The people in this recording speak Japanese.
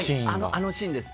あのシーンです。